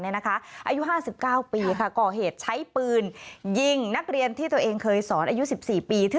อายุ๕๙ปีก่อเหตุใช้ปืนยิงนักเรียนที่ตัวเองเคยสอนอายุ๑๔ปี